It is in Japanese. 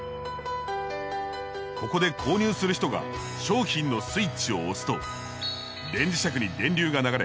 ここで購入する人が商品のスイッチを押すと電磁石に電流が流れ